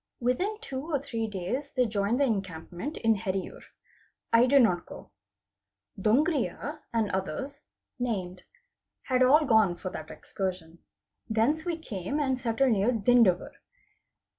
Within two or three days they joined the encampment in Heriyur. I did not go. Dongriya, and others (named) had all gone for that excursion. Thence we came and settled near Dindavar.